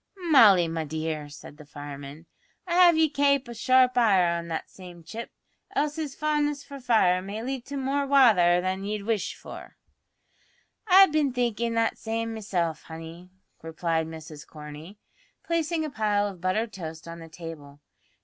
"Molly, my dear," said the fireman, "I'd have ye kape a sharp eye on that same chip, else his fondness for fire may lead to more wather than ye'd wish for." "I've bin thinkin' that same meself, honey," replied Mrs Corney, placing a pile of buttered toast on the table.